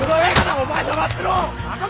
お前黙ってろ！